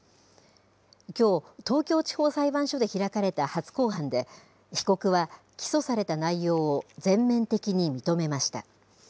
きょう、東京地方裁判所で開かれた初公判で、被告は起訴された内容を全面的に認めました。